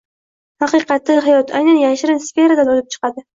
“Haqiqatdagi hayot” aynan yashirin sferadan unib chiqadi